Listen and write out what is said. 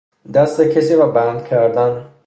دست کسی را بند کردن